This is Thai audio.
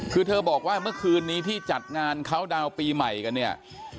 คือเธอบอกว่าเมื่อคืนนี้ที่จัดงานเขาดาวน์ปีใหม่กันเนี่ย